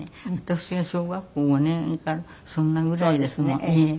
私が小学校５年かそんなぐらいですもん。